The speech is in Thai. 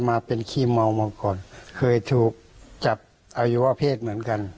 มาเป็นขี้เมามาก่อนเคยถูกจับอวัยวะเพศเหมือนกัน